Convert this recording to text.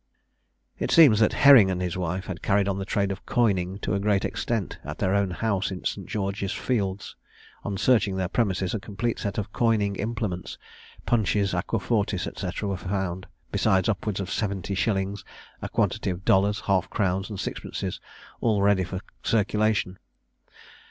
It seems that Herring and his wife had carried on the trade of coining to a great extent, at their own house in St. George's Fields. On searching their premises, a complete set of coining implements, punches, aquafortis, &c., were found, besides upwards of seventy shillings, a quantity of dollars, half crowns, and sixpences, all ready for circulation.